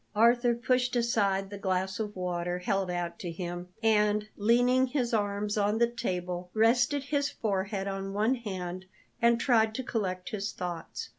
Arthur pushed aside the glass of water held out to him; and, leaning his arms on the table, rested his forehead on one hand and tried to collect his thoughts.